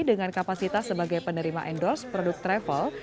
dengan kapasitas sebagai penerima endorse produk travel